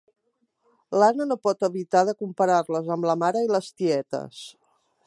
L'Anna no pot evitar de comparar-les amb la mare i les tietes.